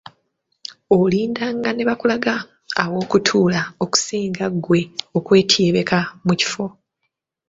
Olindanga nebakulaga awokutuula okusinga gwe okwetyebeka mu kifo.